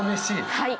はい。